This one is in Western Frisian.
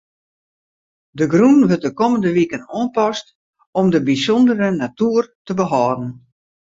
De grûn wurdt de kommende wiken oanpast om de bysûndere natuer te behâlden.